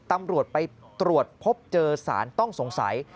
ตำรวจไปตรวจพบเจอสารต้องสงสัย